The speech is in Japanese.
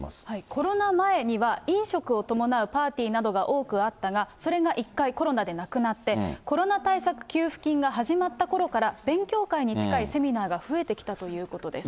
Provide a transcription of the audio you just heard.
コロナ前には飲食を伴うパーティーなどがあったが、それが一回コロナでなくなって、コロナ対策給付金が始まったころから、勉強会に近いセミナーが増えてきたということです。